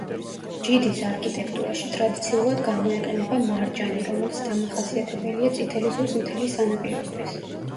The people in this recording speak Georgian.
ჯიდის არქიტექტურაში ტრადიციულად გამოიყენება მარჯანი, რომელიც დამახასიათებელია წითელი ზღვის მთელი სანაპიროსთვის.